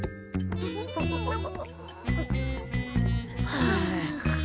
はあ。